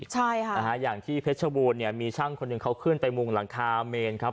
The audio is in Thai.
ใช่ค่ะนะฮะอย่างที่เพชรบูรณเนี่ยมีช่างคนหนึ่งเขาขึ้นไปมุงหลังคาเมนครับ